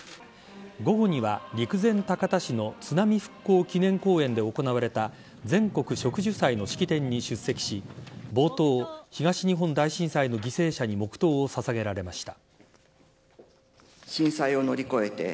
午後には陸前高田市の津波復興祈念公園で行われた全国植樹祭の式典に出席し冒頭、東日本大震災の犠牲者に黙とうを捧げられました。